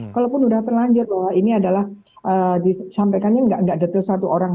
kalaupun sudah terlanjur bahwa ini adalah disampaikannya tidak detail satu orang